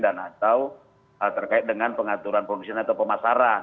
dan atau terkait dengan pengaturan produksi atau pemasaran